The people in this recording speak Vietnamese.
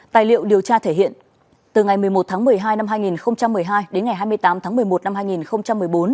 tài liệu điều tra thể hiện từ ngày một mươi một tháng một mươi hai năm hai nghìn một mươi hai đến ngày hai mươi tám tháng một mươi một năm hai nghìn một mươi bốn